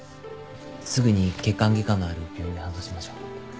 すぐに血管外科のある病院に搬送しましょう。